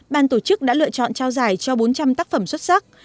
ban tổ chức đã lựa chọn trao giải cho bốn trăm linh tác phẩm xuất sắc